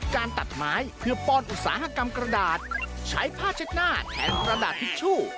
การตัดไม้เพื่อป้อนอุตสาหกรรมกระดาษใช้ผ้าเช็ดหน้าแทนกระดาษทิชชู่